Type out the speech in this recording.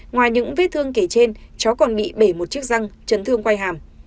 ngoài những vết thương kể trên cháu còn bị bể một chiếc răng chấn thương quay hàm